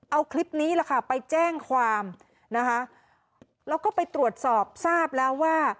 เอาคลิปนี้แหละค่ะไปแจ้งความนะคะแล้วก็ไปตรวจสอบทราบแล้วว่า